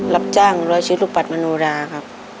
รับจ้างร้อยชีวิตลูกปัดมโนราครับ